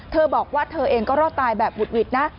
เธอบอกว่าเธอเองก็รอดตายแบบบุดหวิดนะ